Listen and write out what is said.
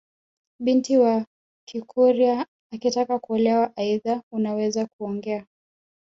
Binti wa kikurya akitaka kuolewa aidha unaweza kuongea